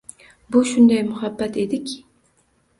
Bu shunday muhabbat ediki.